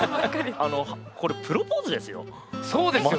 これプロポーズですよ。